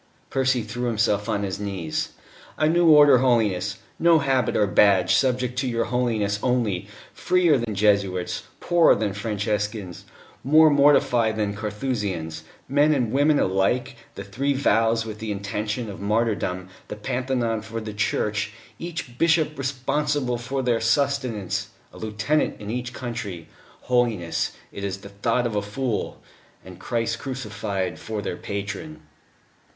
Percy threw himself on his knees. "A new Order, Holiness no habit or badge subject to your Holiness only freer than Jesuits, poorer than Franciscans, more mortified than Carthusians: men and women alike the three vows with the intention of martyrdom; the Pantheon for their Church; each bishop responsible for their sustenance; a lieutenant in each country.... (Holiness, it is the thought of a fool.) ... And Christ Crucified for their patron."